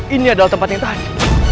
ini adalah tempat yang tajam